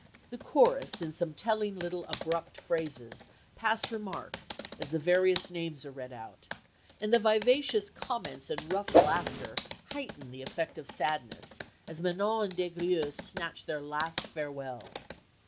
The chorus in some telling little abrupt phrases pass remarks as the various names are read out, and the vivacious comments and rough laughter heighten the effect of sadness as Manon and Des Grieux snatch their last farewell.